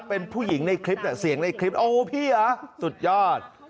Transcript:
เป็นผู้หญิงในคลิปน่ะเสียงในคลิปโอ้พี่เหรอสุดยอด